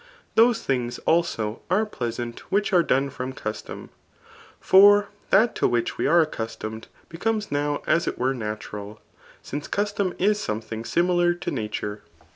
Those things abo ait pteasant which are dona from custom. For that to irUeh we are accustomed becomes now as it were nat» fil; since custom is somethfaig Mnilar to nature.